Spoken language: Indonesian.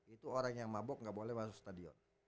itu orang yang mabok gak boleh masuk stadion